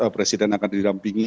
presiden akan dirampingi